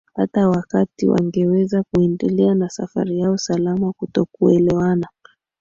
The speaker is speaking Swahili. hata wakati wangeweza kuendelea na safari yao salama Kutokuelewana